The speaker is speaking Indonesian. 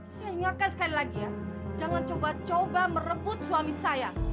saya ingatkan sekali lagi ya jangan coba coba merebut suami saya